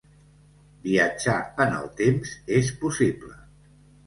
Viatjar en el temps és possible!